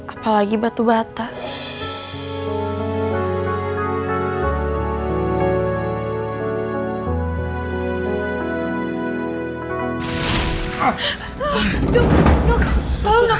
apalagi batu bata